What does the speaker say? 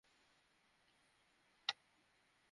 ঘুমিয়ে পড়েছিলাম মনে হয়।